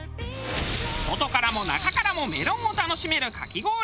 外からも中からもメロンを楽しめるかき氷。